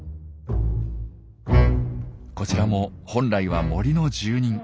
こちらも本来は森の住人。